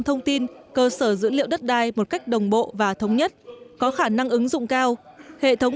thông tin cơ sở dữ liệu đất đai một cách đồng bộ và thống nhất có khả năng ứng dụng cao hệ thống